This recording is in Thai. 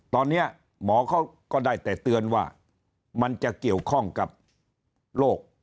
ตอนนี้หมอเขาก็ได้แต่เตือนว่ามันจะเกี่ยวข้องกับโรค